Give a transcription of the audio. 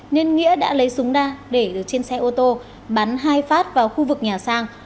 nên nghĩa đã lấy súng đa để trên xe ô tô bắn hai phát vào khu vực nhà sang